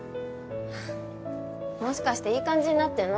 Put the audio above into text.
もしかしていい感じになってんの？